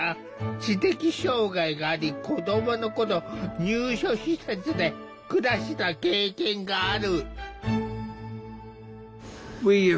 知的障害があり子どもの頃入所施設で暮らした経験がある。